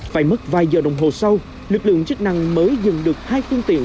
phải mất vài giờ đồng hồ sau lực lượng chức năng mới dừng được hai phương tiện